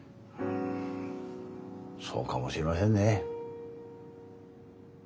そうかもしれませんね。